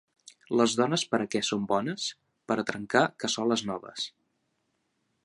Les dones per a què són bones? Per a trencar cassoles noves!